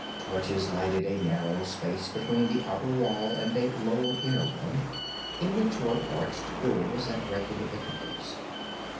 Torches lighted a narrow space between the outer wall and a lower inner one, in which were arched doors at regular intervals.